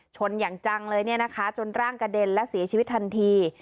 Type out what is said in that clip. ชนอย่างจังเลยเนี่ยนะคะจนร่างกระเด็นและเสียชีวิตทันที